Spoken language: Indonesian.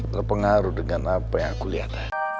terpengaruh dengan apa yang aku lihat